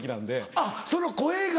あっその声が。